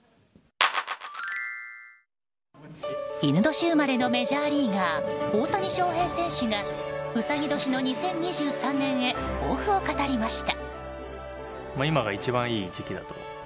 戌年生まれのメジャーリーガー大谷翔平選手がうさぎ年の２０２３年へ抱負を語りました。